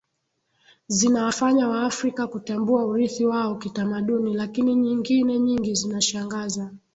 zinawafanya Waafrika kutambua urithi wao kitamaduni lakini nyingine nyingi zinashangaza